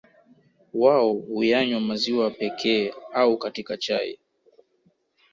Wao huyanywa maziwa pekee au katika chai